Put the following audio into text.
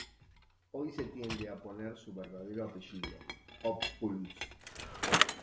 Hoy se tiende a poner su verdadero apellido, Ophüls.